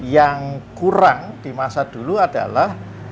yang kurang di masa dulu adalah